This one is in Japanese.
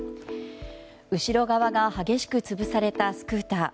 後ろ側が激しく潰されたスクーター。